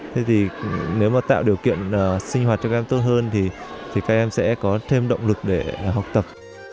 thế thì nếu mà tạo điều kiện sinh hoạt cho các em tốt hơn thì các em sẽ có thêm động lực để học tập